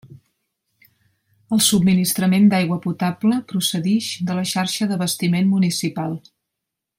El subministrament d'aigua potable procedix de la xarxa d'abastiment municipal.